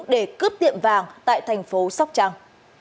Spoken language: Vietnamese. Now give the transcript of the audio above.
để cướp tiệm vàng tại tp sóc trăng